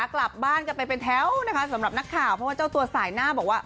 กลับไปเป็นแถวนะคะสำหรับนักข่าวเพราะว่าเจ้าตัวสายหน้าบอกว่า